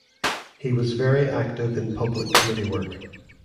He was very active in public committee work.